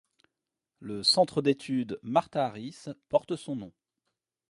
Le Centre d'études Martha Harris porte son nom.